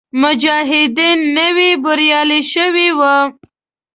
مجاهدین نوي بریالي شوي وو.